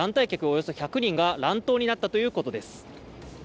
およそ１００人が乱闘になったということです。